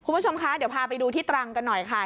คุณผู้ชมคะเดี๋ยวพาไปดูที่ตรังกันหน่อยค่ะ